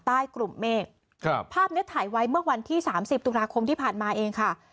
ใต้กลุ่มเมฆครับภาพเนี้ยถ่ายไว้เมื่อวันที่สามสิบตุลาคมที่ผ่านมาเองค่ะ